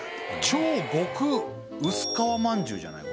超極薄皮まんじゅうじゃない？